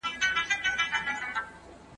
تا په دولسم ټولګي کي ډیر کتابونه خلاص کړي دي.